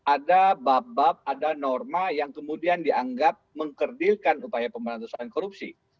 ada babab ada norma yang kemudian dianggap mengkerdilkan upaya pemberantasan korupsi